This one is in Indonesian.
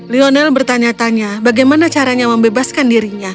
lionel bertanya tanya bagaimana caranya membebaskan dirinya